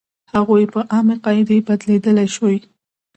هغوی په عامې قاعدې بدلېدلی شوې.